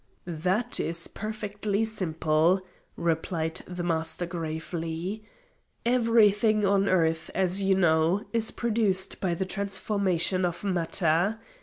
"That is perfectly simple," replied the Master gravely. "Everything on earth, as you know, is produced by the transformation of matter.